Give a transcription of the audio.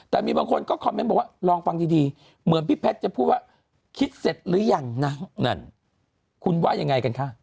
แต่มีบางคนก็คอมเมนต์บอกว่าลองฟังดีเหมือนพี่แพทย์จะพูดว่าคิดเสร็จหรือยังนะนั่นคุณว่ายังไงกันคะ